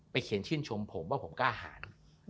เขียนชื่นชมผมว่าผมกล้าหาร